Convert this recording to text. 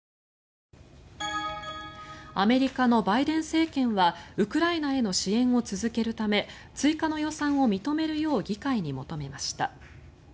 アメリカのバイデン政権はウクライナへの支援を続けるため追加の予算を認めるよう議会に求めました。